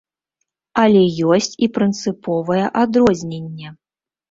Але ёсць і прынцыповае адрозненне.